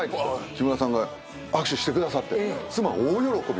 木村さんが握手してくださって妻大喜びです。